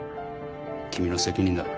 君の責任だ。